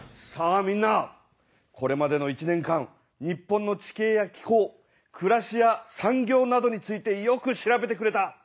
みんなこれまでの１年間日本の地形や気候くらしや産業などについてよく調べてくれた。